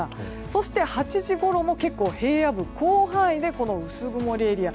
そして８時ごろも平野部、広範囲で薄曇りエリア。